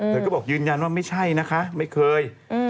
เธอก็บอกยืนยันว่าไม่ใช่นะคะไม่เคย